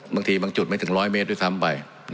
บางทีบางจุดไม่ถึง๑๐๐เมตรด้วยซ้ำไป